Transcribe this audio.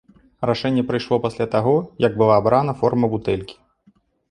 Рашэнне прыйшло пасля таго, як была абраная форма бутэлькі.